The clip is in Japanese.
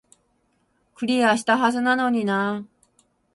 クリアしたはずなのになー